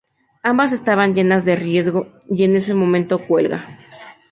Ambas estaban llenas de riesgo, y en ese momento cuelga.